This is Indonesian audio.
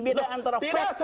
beda antara fact dan data